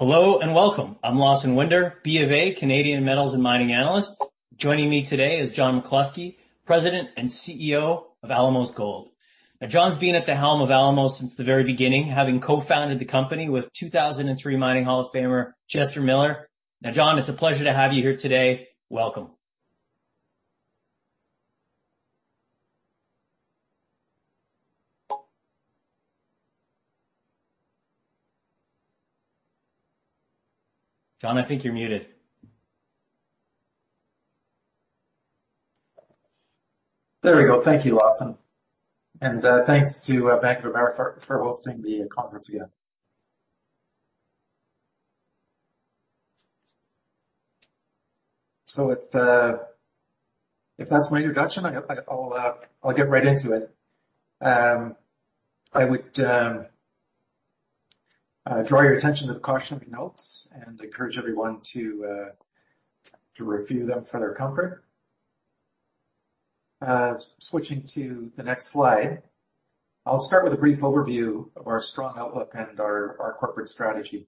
Hello and welcome. I'm Lawson Winder, BofA Canadian Metals and Mining Analyst. Joining me today is John McCluskey, President and CEO of Alamos Gold. Now, John's been at the helm of Alamos since the very beginning, having co-founded the company with 2003 Mining Hall of Famer Chester Millar. Now, John, it's a pleasure to have you here today. Welcome. John, I think you're muted. There we go. Thank you, Lawson. Thanks to Bank of America for hosting the conference again. If that's my introduction, I'll get right into it. I would draw your attention to the cautionary notes and encourage everyone to review them for their comfort. Switching to the next slide, I'll start with a brief overview of our strong outlook and our corporate strategy.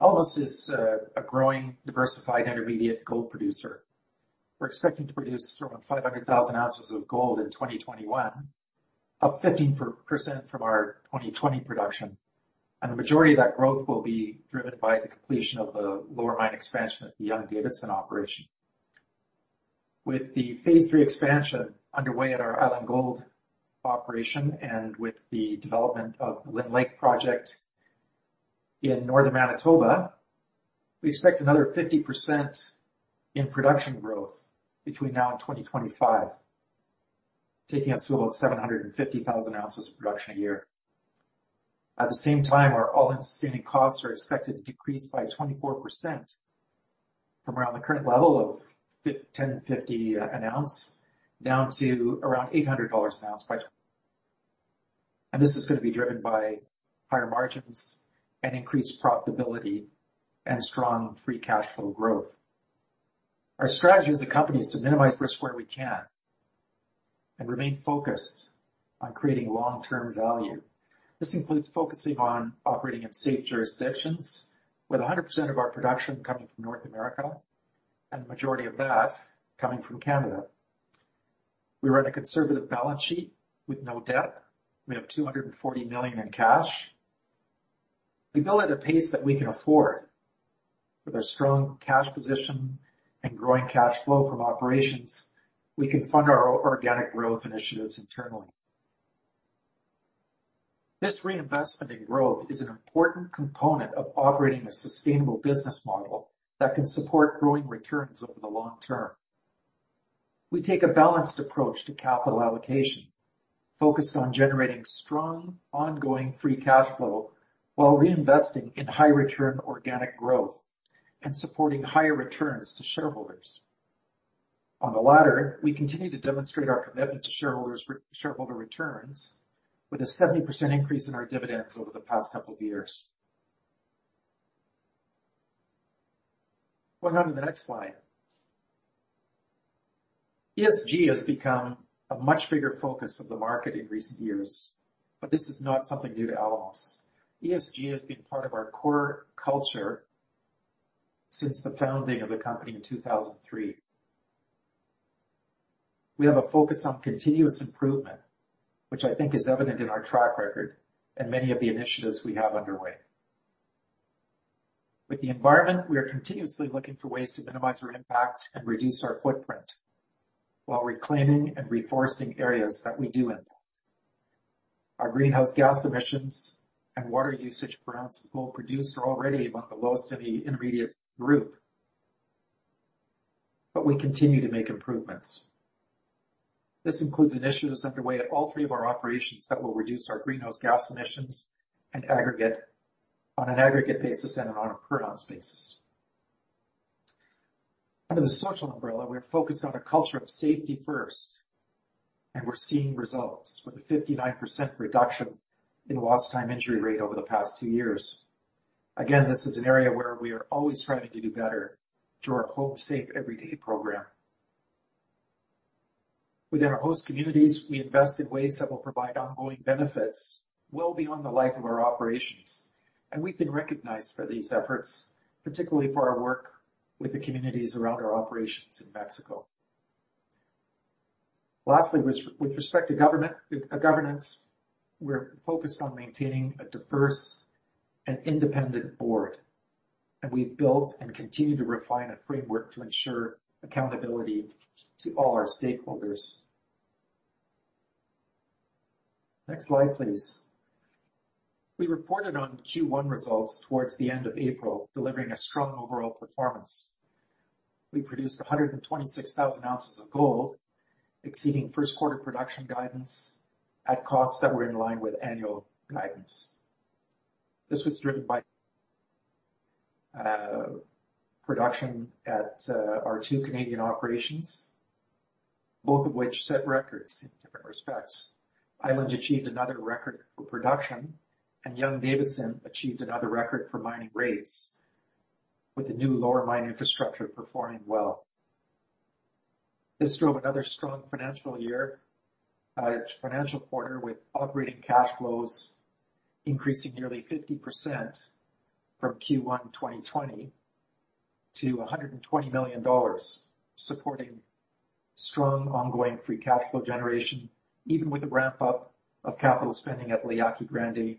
Alamos is a growing, diversified intermediate gold producer. We're expecting to produce around 500,000 ounces of gold in 2021, up 15% from our 2020 production. The majority of that growth will be driven by the completion of the lower mine expansion at the Young-Davidson operation. With the phase three expansion underway in our Island Gold operation and with the development of the Lynn Lake project in northern Manitoba, we expect another 50% in production growth between now and 2025, taking us to about 750,000 ounces of production a year. At the same time, our all-in sustaining costs are expected to decrease by 24% from around the current level of 1,050 an ounce down to around 800 dollars an ounce. This is going to be driven by higher margins and increased profitability and strong free cash flow growth. Our strategy as a company is to minimize risk where we can and remain focused on creating long-term value. This includes focusing on operating in safe jurisdictions with 100% of our production coming from North America, and the majority of that coming from Canada. We run a conservative balance sheet with no debt. We have 240 million in cash. We build at a pace that we can afford. With our strong cash position and growing cash flow from operations, we can fund our organic growth initiatives internally. This reinvestment in growth is an important component of operating a sustainable business model that can support growing returns over the long term. We take a balanced approach to capital allocation, focused on generating strong, ongoing free cash flow while reinvesting in high-return organic growth and supporting higher returns to shareholders. On the latter, we continue to demonstrate our commitment to shareholder returns with a 70% increase in our dividends over the past couple of years. We'll go on to the next slide. ESG has become a much bigger focus of the market in recent years, but this is not something new to Alamos. ESG has been part of our core culture since the founding of the company in 2003. We have a focus on continuous improvement, which I think is evident in our track record and many of the initiatives we have underway. With the environment, we are continuously looking for ways to minimize our impact and reduce our footprint while reclaiming and reforesting areas that we do impact. Our greenhouse gas emissions and water usage per ounce of gold produced are already among the lowest in the intermediate group, but we continue to make improvements. This includes initiatives underway at all three of our operations that will reduce our greenhouse gas emissions on an aggregate basis and on a per ton basis. Under the social umbrella, we're focused on a culture of safety first, and we're seeing results with a 59% reduction in lost time injury rate over the past two years. This is an area where we are always trying to do better through our Home Safe Every Day program. Within our host communities, we invest in ways that will provide ongoing benefits well beyond the life of our operations, and we've been recognized for these efforts, particularly for our work with the communities around our operations in Mexico. With respect to governance, we're focused on maintaining a diverse and independent board, and we've built and continue to refine a framework to ensure accountability to all our stakeholders. Next slide, please. We reported on Q1 results towards the end of April, delivering a strong overall performance. We produced 126,000 ounces of gold, exceeding Q1 production guidance at costs that were in line with annual guidance. This was driven by production at our two Canadian operations, both of which set records in different respects. Island achieved another record for production, and Young-Davidson achieved another record for mining rates, with the new lower mine infrastructure performing well. This drove another strong financial quarter with operating cash flows increasing nearly 50% from Q1 2020 to 120 million dollars, supporting strong ongoing free cash flow generation, even with the ramp-up of capital spending at La Yaqui Grande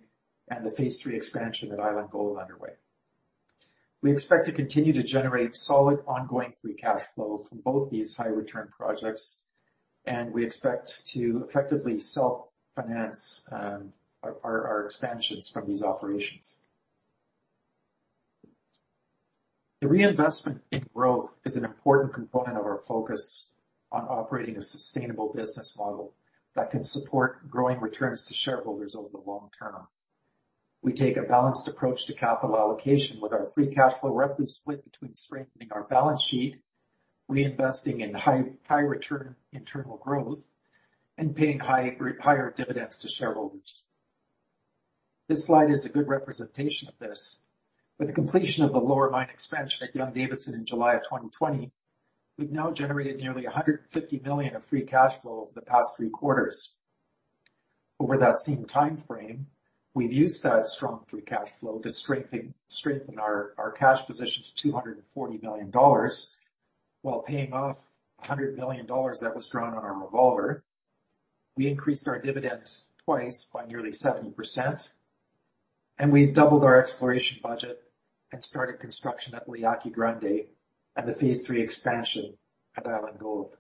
and the phase 3 expansion at Island Gold underway. We expect to continue to generate solid ongoing free cash flow from both these high return projects, and we expect to effectively self-finance our expansions from these operations. The reinvestment in growth is an important component of our focus on operating a sustainable business model that can support growing returns to shareholders over the long term. We take a balanced approach to capital allocation with our free cash flow roughly split between strengthening our balance sheet, reinvesting in high return internal growth, and paying higher dividends to shareholders. This slide is a good representation of this. With completion of the lower mine expansion at Young-Davidson in July of 2020, we've now generated nearly 150 million of free cash flow over the past three quarters. Over that same timeframe, we've used that strong free cash flow to strengthen our cash position to 240 million dollars while paying off 100 million dollars that was drawn on our revolver. We increased our dividends twice by nearly 7%. We doubled our exploration budget and started construction at La Yaqui Grande and the phase 3 expansion at Island Gold.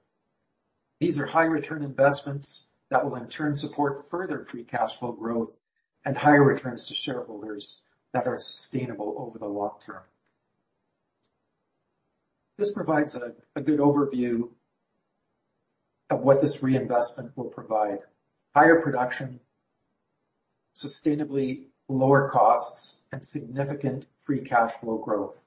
These are high return investments that will in turn support further free cash flow growth and higher returns to shareholders that are sustainable over the long term. This provides a good overview of what this reinvestment will provide. Higher production, sustainably lower costs, and significant free cash flow growth.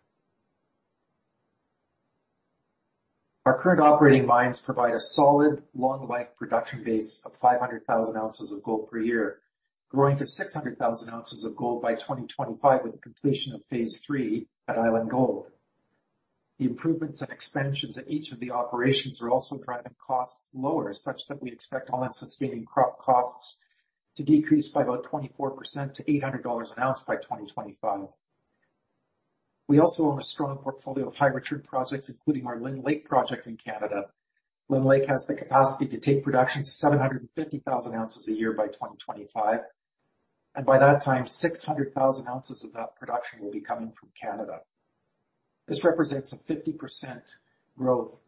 Our current operating mines provide a solid long life production base of 500,000 ounces of gold per year, growing to 600,000 ounces of gold by 2025 with the completion of phase 3 at Island Gold. The improvements and expansions at each of the operations are also driving costs lower, such that we expect all-in sustaining costs to decrease by about 24% to 800 dollars an ounce by 2025. We also own a strong portfolio of high return projects, including our Lynn Lake project in Canada. Lynn Lake has the capacity to take production to 750,000 ounces a year by 2025, and by that time, 600,000 ounces of that production will be coming from Canada. This represents a 50% growth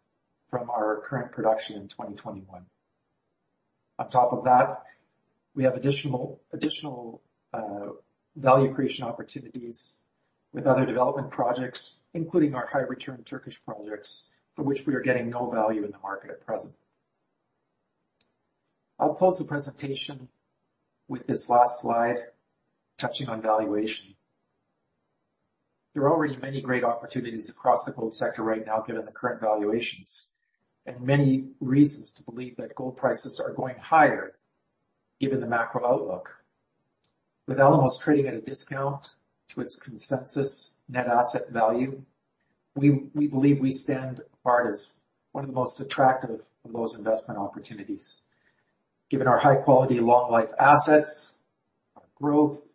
from our current production in 2021. On top of that, we have additional value creation opportunities with other development projects, including our high return Turkish projects, for which we are getting no value in the market at present. I'll close the presentation with this last slide touching on valuation. There are always many great opportunities across the gold sector right now given the current valuations, and many reasons to believe that gold prices are going higher given the macro outlook. With Alamos trading at a discount to its consensus net asset value, we believe we stand apart as one of the most attractive of those investment opportunities. Given our high quality long life assets, our growth,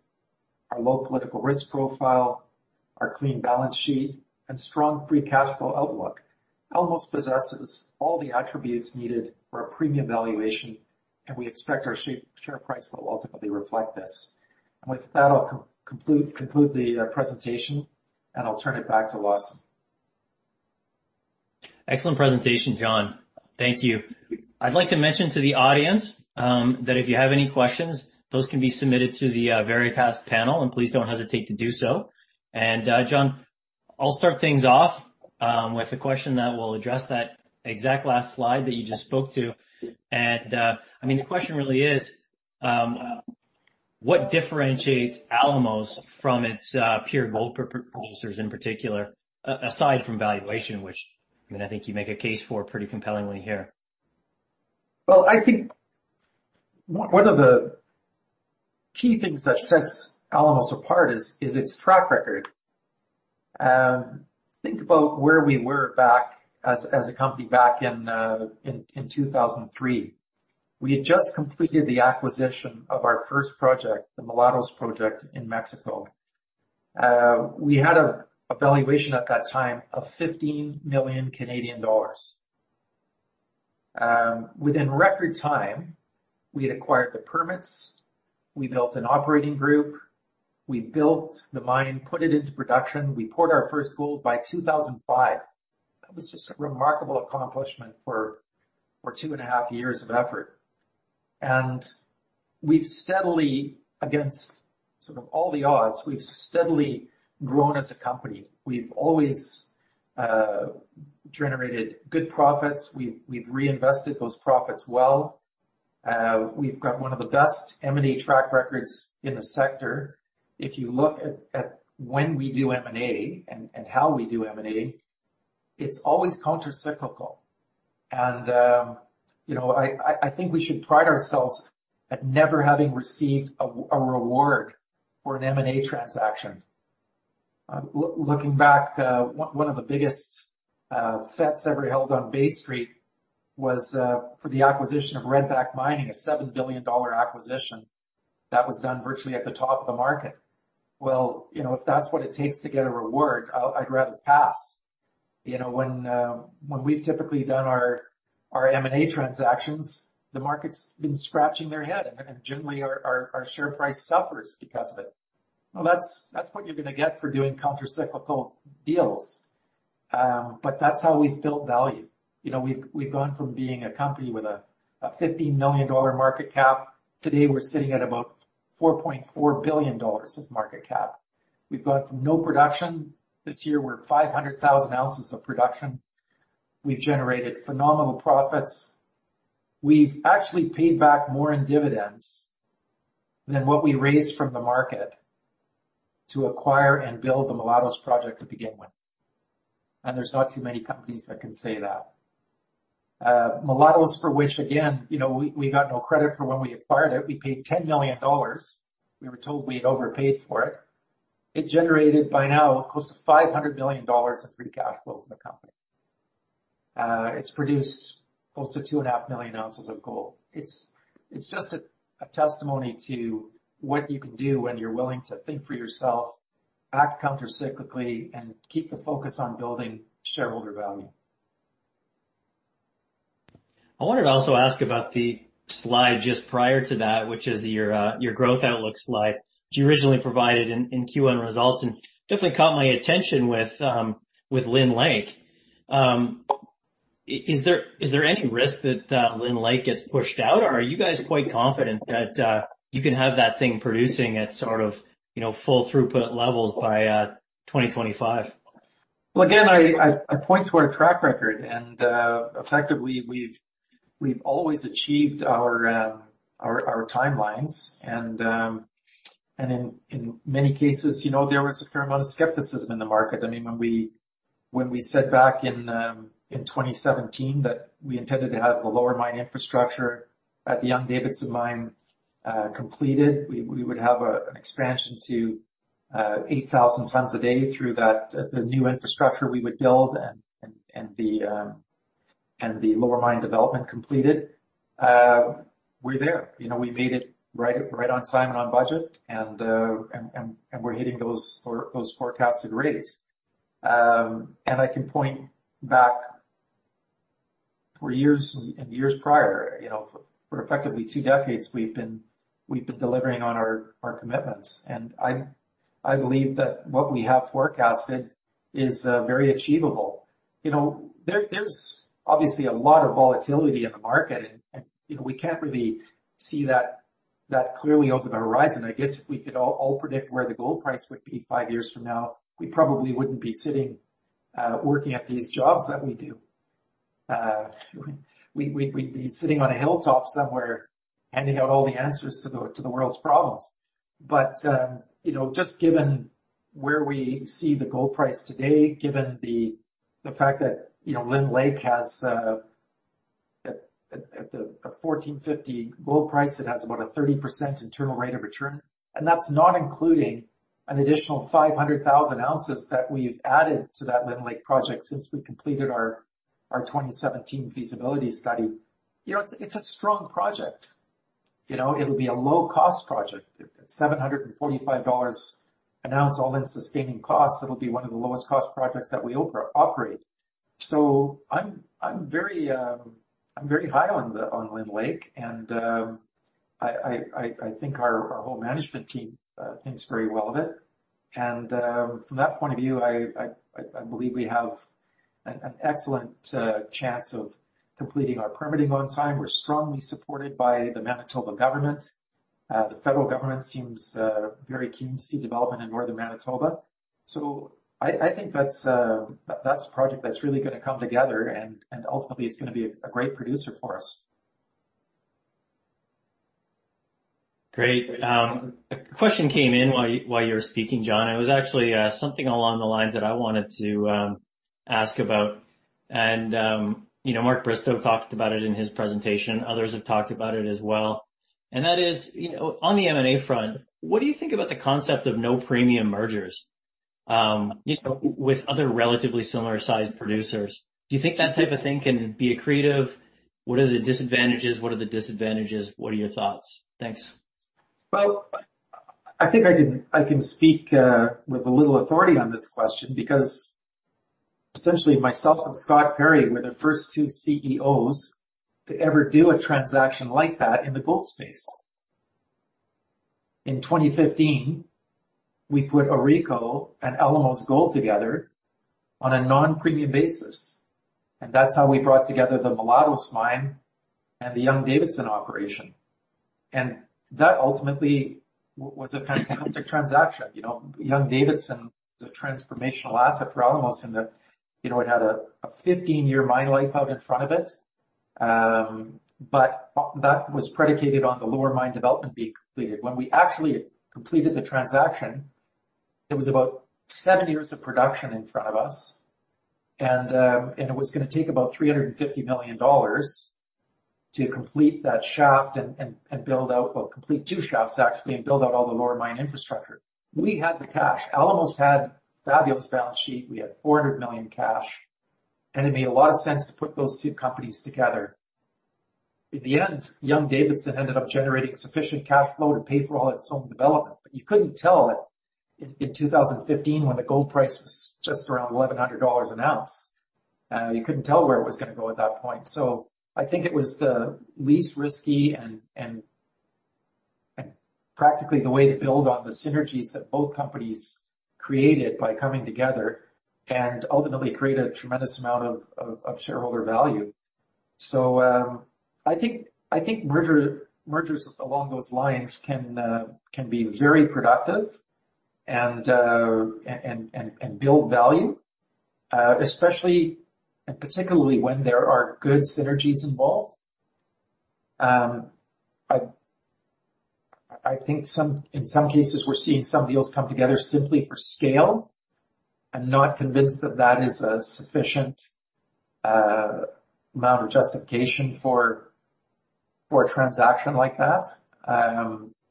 our low political risk profile, our clean balance sheet, and strong free cash flow outlook, Alamos possesses all the attributes needed for a premium valuation, and we expect our share price will ultimately reflect this. With that, I'll conclude the presentation and I'll turn it back to Lawson. Excellent presentation, John. Thank you. I'd like to mention to the audience that if you have any questions, those can be submitted to the very fast panel, and please don't hesitate to do so. John, I'll start things off with a question that will address that exact last slide that you just spoke to. The question really is, what differentiates Alamos from its peer gold producers in particular, aside from valuation, which I think you make a case for pretty compellingly here. Well, I think one of the key things that sets Alamos apart is its track record. Think about where we were as a company back in 2003. We had just completed the acquisition of our first project, the Mulatos project in Mexico. We had a valuation at that time of 15 million Canadian dollars. Within record time, we had acquired the permits, we built an operating group, we built the mine, put it into production, we poured our first gold by 2005. That was just a remarkable accomplishment for two and a half years of effort. We've steadily, against sort of all the odds, we've steadily grown as a company. We've always generated good profits. We've reinvested those profits well. We've got one of the best M&A track records in the sector. If you look at when we do M&A and how we do M&A, it's always countercyclical. I think we should pride ourselves at never having received a reward for an M&A transaction. Looking back, one of the biggest feats that we held on Bay Street was for the acquisition of Red Back Mining, a 7 billion dollar acquisition that was done virtually at the top of the market. Well, if that's what it takes to get a reward, I'd rather pass. When we've typically done our M&A transactions, the market's been scratching their head, and generally our share price suffers because of it. Well, that's what you're going to get for doing countercyclical deals. That's how we've built value. We've gone from being a company with a 50 million dollar market cap. Today, we're sitting at about 4.4 billion dollars of market cap. We've gone from no production. This year, we're at 500,000 ounces of production. We've generated phenomenal profits. We've actually paid back more in dividends than what we raised from the market to acquire and build the Mulatos project to begin with. There's not too many companies that can say that. Mulatos for which, again, we got no credit for when we acquired it. We paid 10 million dollars. We were told we had overpaid for it. It generated by now close to 500 million dollars of free cash flow for the company. It's produced close to 2.5 million ounces of gold. It's just a testimony to what you can do when you're willing to think for yourself, act countercyclically, and keep the focus on building shareholder value. I wanted to also ask about the slide just prior to that, which is your growth outlook slide. You originally provided it in Q1 results, and it definitely caught my attention with Lynn Lake. Is there any risk that Lynn Lake gets pushed out, or are you guys quite confident that you can have that thing producing at full throughput levels by 2025? Well, again, I point to our track record and the fact that we've always achieved our timelines, and in many cases, there was a fair amount of skepticism in the market. I mean, when we said back in 2017 that we intended to have the lower mine infrastructure at the Young-Davidson Mine completed, we would have an expansion to 8,000 tons a day through the new infrastructure we would build and the lower mine development completed. We're there. We made it right on time and on budget, and we're hitting those forecasted grades. I can point back for years and years prior, for effectively two decades we've been delivering on our commitments, and I believe that what we have forecasted is very achievable. There's obviously a lot of volatility in the market, and we can't really see that clearly over the horizon. I guess if we could all predict where the gold price would be five years from now, we probably wouldn't be sitting working at these jobs that we do. We'd be sitting on a hilltop somewhere handing out all the answers to the world's problems. Just given where we see the gold price today, given the fact that Lynn Lake has a 1,450 gold price, it has about a 30% internal rate of return, and that's not including an additional 500,000 ounces that we've added to that Lynn Lake project since we completed our 2017 feasibility study. It's a strong project. It'll be a low-cost project. At 745 dollars an ounce all-in sustaining costs, it'll be one of the lowest cost projects that we operate. I'm very high on Lynn Lake, and I think our whole management team thinks very well of it, and from that point of view, I believe we have an excellent chance of completing our permitting on time. We're strongly supported by the Manitoba government. The federal government seems very keen to see development in northern Manitoba. I think that's a project that's really going to come together and ultimately is going to be a great producer for us. Great. A question came in while you were speaking, John. It was actually something along the lines that I wanted to ask about. Mark Bristow talked about it in his presentation. Others have talked about it as well. That is, on the M&A front, what do you think about the concept of no-premium mergers with other relatively similar-sized producers? Do you think that type of thing can be accretive? What are the disadvantages? What are the advantages? What are your thoughts? Thanks. Well, I think I can speak with a little authority on this question because essentially, myself and Scott Perry were the first two CEOs to ever do a transaction like that in the gold space. In 2015, we put AuRico and Alamos Gold together on a non-premium basis, and that's how we brought together the Mulatos Mine and the Young-Davidson operation. That ultimately was a fantastic transaction. Young-Davidson was a transformational asset for Alamos in that it had a 15-year mine life out in front of it. That was predicated on the lower mine development being completed. When we actually completed the transaction, it was about seven years of production in front of us, and it was going to take about 350 million dollars to complete that shaft and build out, well, complete two shafts actually, and build out all the lower mine infrastructure. We had the cash. Alamos had a fabulous balance sheet. We had 400 million cash, and it made a lot of sense to put those two companies together. In the end, Young-Davidson ended up generating sufficient cash flow to pay for all its own development, but you couldn't tell in 2015 when the gold price was just around 1,100 dollars an ounce. You couldn't tell where it was going to go at that point. I think it was the least risky and practically the way to build on the synergies that both companies created by coming together and ultimately create a tremendous amount of shareholder value. I think mergers along those lines can be very productive and build value, especially and particularly when there are good synergies involved. I think in some cases, we're seeing some deals come together simply for scale. I'm not convinced that is a sufficient amount of justification for a transaction like that.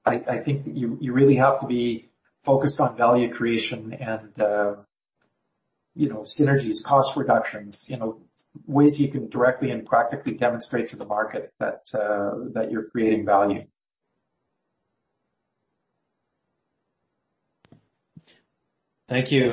I think that you really have to be focused on value creation and synergies, cost reductions, ways you can directly and practically demonstrate to the market that you're creating value. Thank you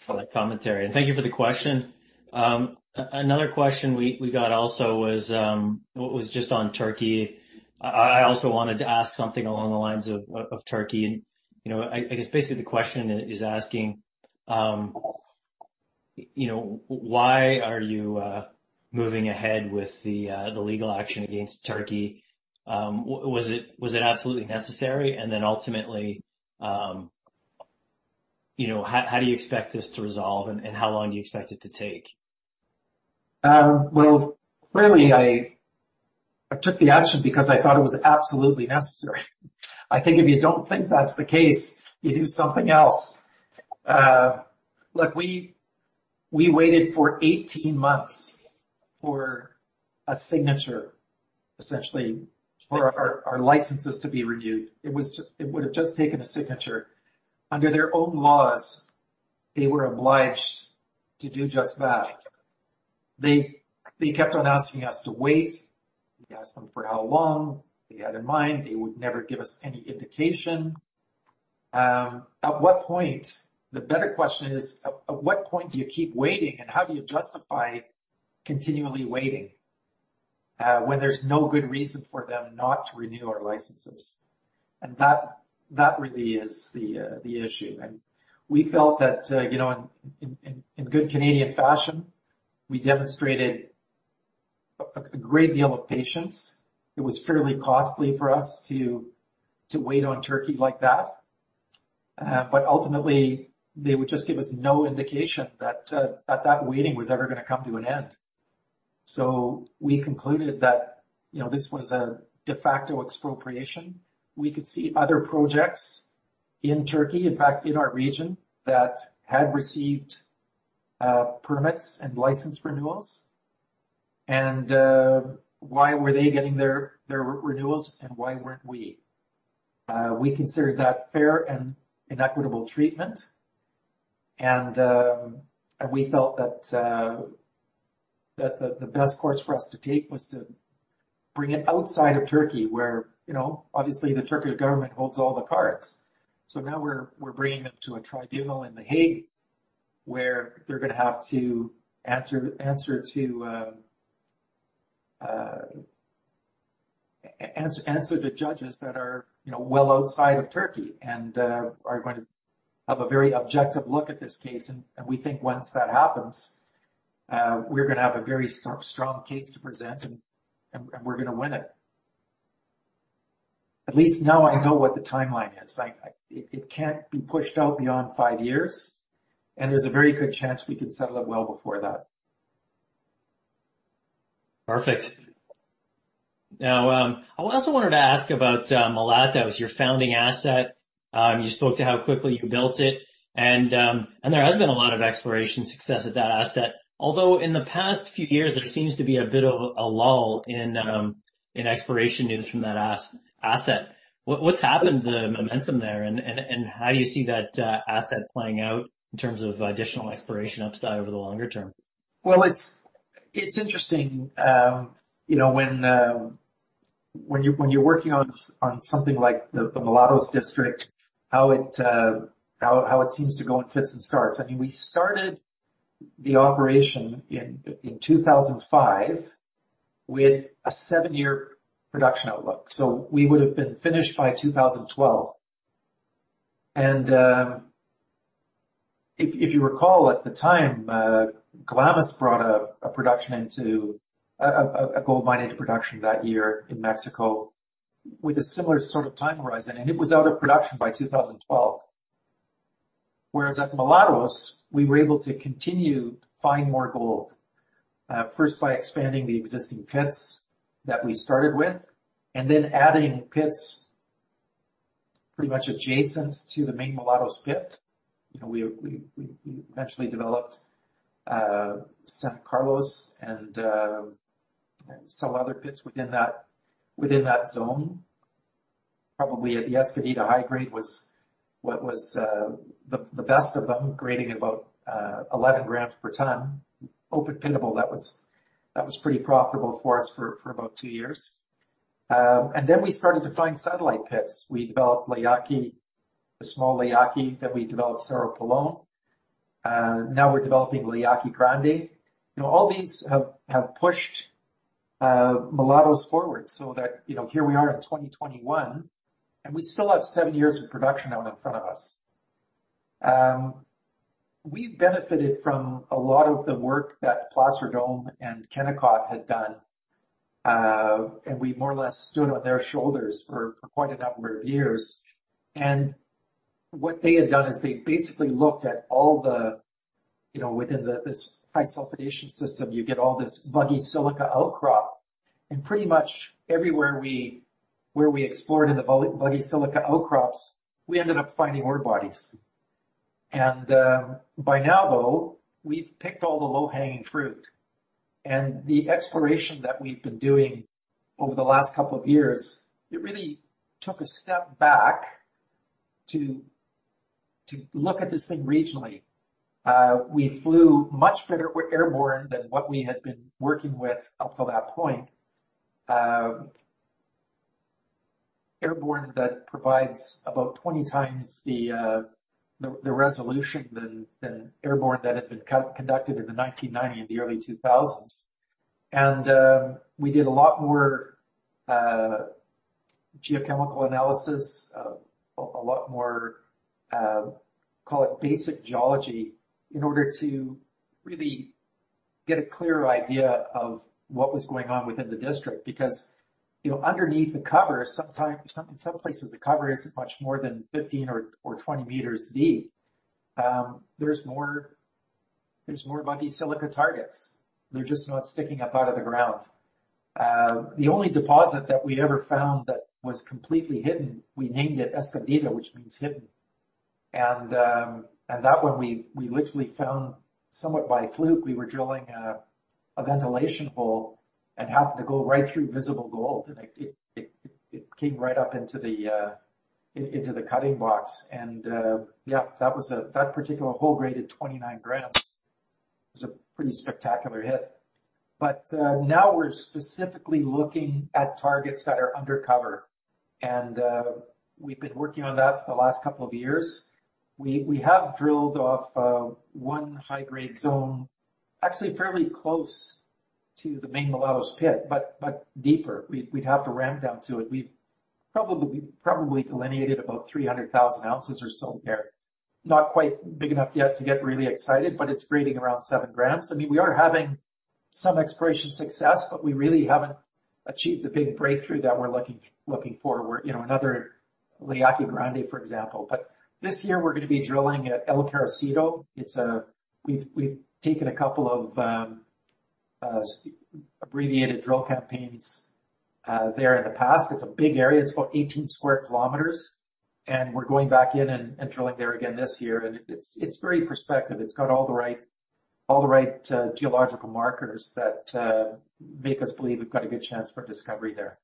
for that commentary, and thank you for the question. Another question we got also was just on Turkey. I also wanted to ask something along the lines of Turkey. I guess basically the question is asking, why are you moving ahead with the legal action against Turkey? Was it absolutely necessary? Ultimately, how do you expect this to resolve, and how long do you expect it to take? Well, clearly, I took the action because I thought it was absolutely necessary. I think if you don't think that's the case, you do something else. Look, we waited for 18 months for a signature, essentially, for our licenses to be renewed. It would've just taken a signature. Under their own laws, they were obliged to do just that. They kept on asking us to wait. We asked them for how long. They had in mind they would never give us any indication. The better question is, at what point do you keep waiting, and how do you justify continually waiting, when there's no good reason for them not to renew our licenses? That really is the issue. We felt that, in good Canadian fashion, we demonstrated a great deal of patience. It was fairly costly for us to wait on Turkey like that. Ultimately, they would just give us no indication that that waiting was ever going to come to an end. We concluded that this was a de facto expropriation. We could see other projects in Turkey, in fact, in our region, that had received permits and license renewals. Why were they getting their renewals and why weren't we? We considered that fair and equitable treatment, and we felt that the best course for us to take was to bring it outside of Turkey where obviously the Turkish government holds all the cards. Now we're bringing them to a tribunal in The Hague where they're going to have to answer to judges that are well outside of Turkey and are going to have a very objective look at this case. We think once that happens, we're going to have a very strong case to present, and we're going to win it. At least now I know what the timeline is. It can't be pushed out beyond five years, and there's a very good chance we could settle it well before that. Perfect. I also wanted to ask about Mulatos, your founding asset. You spoke to how quickly you built it, and there has been a lot of exploration success at that asset, although in the past few years, there seems to be a bit of a lull in exploration news from that asset. What's happened to the momentum there, and how do you see that asset playing out in terms of additional exploration upside over the longer term? Well, it's interesting when you're working on something like the Mulatos District, how it seems to go in fits and starts. I mean, we started the operation in 2005 with a seven-year production outlook, so we would've been finished by 2012. If you recall, at the time, Glamis brought a gold mine into production that year in Mexico with a similar sort of time horizon, and it was out of production by 2012. Whereas at Mulatos, we were able to continue to find more gold, first by expanding the existing pits that we started with and then adding pits pretty much adjacent to the main Mulatos pit. We eventually developed San Carlos and some other pits within that zone. Probably at Escondida high grade was the best of them, grading about 11 g per ton. Open pitable, that was pretty profitable for us for about two years. Then we started to find satellite pits. We developed La Yaqui, the small La Yaqui, then we developed Cerro Pelon. Now we're developing La Yaqui Grande. All these have pushed Mulatos forward so that here we are in 2021, and we still have seven years of production now in front of us. We benefited from a lot of the work that Placer Dome and Kennecott had done, and we more or less stood on their shoulders for quite a number of years. What they had done is they basically looked at all the, within this high sulfidation system, you get all this vuggy silica outcrop, and pretty much everywhere where we explored in the vuggy silica outcrops, we ended up finding ore bodies. By now, though, we've picked all the low-hanging fruit. The exploration that we've been doing over the last couple of years, it really took a step back to look at this thing regionally. We flew much better airborne than what we had been working with up till that point. Airborne that provides about 20x the resolution than airborne that had been conducted in the 1990, the early 2000s. We did a lot more geochemical analysis, a lot more, call it basic geology, in order to really get a clearer idea of what was going on within the district. Underneath the cover, in some places the cover isn't much more than 15 or 20 meters deep. There's more vuggy silica targets. They're just not sticking up out of the ground. The only deposit that we ever found that was completely hidden, we named it Escondida, which means hidden. That one we literally found somewhat by fluke. We were drilling a ventilation hole and happened to go right through visible gold, and it came right up into the cutting box. Yeah, that particular hole rated 29 g. It was a pretty spectacular hit. Now we're specifically looking at targets that are undercover, and we've been working on that for the last couple of years. We have drilled off one high-grade zone, actually fairly close to the main Mulatos pit, but deeper. We have to ramp down to it. We've probably delineated about 300,000 ounces or so in there. Not quite big enough yet to get really excited, but it's grading around 7 g. I mean, we are having some exploration success, but we really haven't achieved the big breakthrough that we're looking for. Another La Yaqui Grande, for example. This year we're going to be drilling at El Carricito. We've taken a couple of abbreviated drill campaigns there in the past. It's a big area. It's about 18 sq km, and we're going back in and drilling there again this year. It's very prospective. It's got all the right geological markers that make us believe we've got a good chance for discovery there.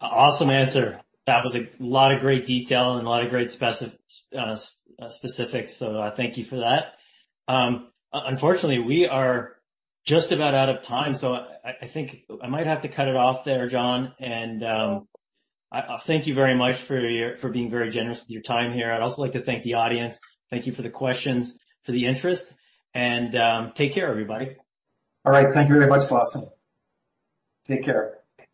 Awesome answer. That was a lot of great detail and a lot of great specifics, so thank you for that. Unfortunately, we are just about out of time, so I think I might have to cut it off there, John. Thank you very much for being very generous with your time here. I'd also like to thank the audience. Thank you for the questions, for the interest, and take care, everybody. All right. Thank you very much, Lawson. Take care.